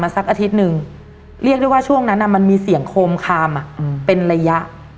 สักอาทิตย์หนึ่งเรียกได้ว่าช่วงนั้นมันมีเสียงโคมคามเป็นระยะ